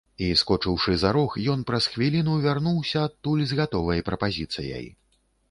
І, скочыўшы за рог, ён праз хвіліну вярнуўся адтуль з гатовай прапазіцыяй.